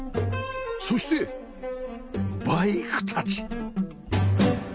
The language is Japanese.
そしてバイクたち